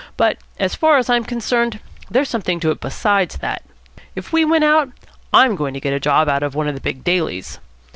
But, as far as I'm concerned, there's something to it besides that. If we win out, I'm going to get a job out of one of the big dailies.